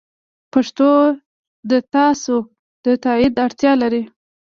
پښتو د تاسو د تایید اړتیا لري.